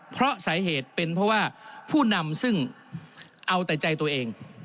เพราะสาเหตุเป็นเพราะว่าผู้นำซึ่งเอาแต่ใจตัวเอง